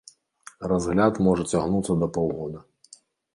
Разгляд можа цягнуцца да паўгода.